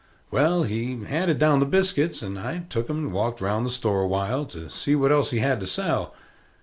Well, he handed down the biscuits, and I took 'em and walked round the store awhile, to see what else he had to sell.